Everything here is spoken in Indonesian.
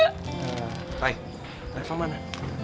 eh fai fai fai mana